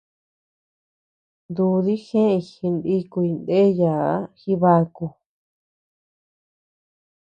Dúdi jeʼeñ jinikuy ndeayaa Jibaku.